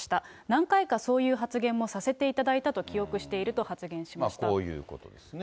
何回かそういう発言もさせていただいたと記憶していると発言しまこういうことですね。